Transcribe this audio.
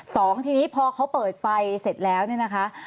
สองทีนี้พอเขาเปิดไฟเสร็จแล้วเนี่ยนะคะ